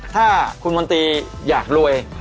ถ้าคุณมนตรีอยากรวย